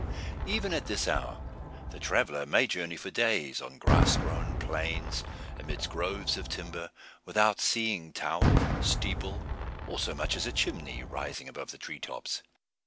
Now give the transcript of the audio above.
Even at this hour, the traveller may journey for days on grass grown plains, amidst groves of timber, without seeing tower, steeple, or so much as a chimney rising above the tree tops.